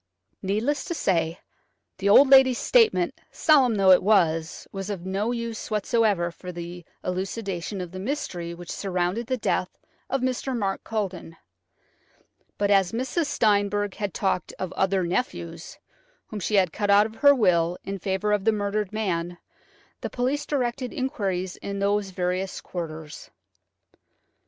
Needless to say, the old lady's statement, solemn though it was, was of no use whatever for the elucidation of the mystery which surrounded the death of Mr. Mark Culledon. But as Mrs. Steinberg had talked of "other nephews," whom she had cut out of her will in favour of the murdered man, the police directed inquiries in those various quarters.